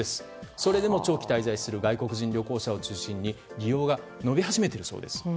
それでも長期滞在する外国人旅行者を中心に利用が伸び始めているそうです。